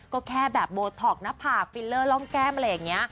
ก็แค่แบบโบท็อกหน้าผากฟิลเลอร์ร่องแก้มอะไรอย่างนี้